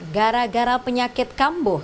gara gara penyakit kambuh